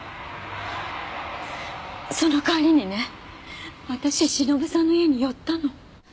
その帰りにね私忍さんの家に寄ったの。